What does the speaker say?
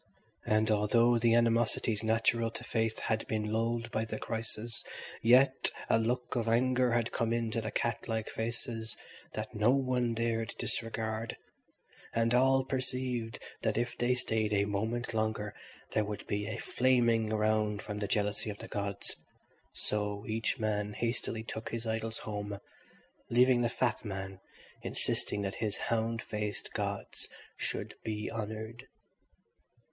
And although the animosities natural to faith had all been lulled by the crisis, yet a look of anger had come into the cat like faces that no one dared disregard, and all perceived that if they stayed a moment longer there would be flaming around them the jealousy of the gods; so each man hastily took his idols home, leaving the fat man insisting that his hound faced gods should be honoured.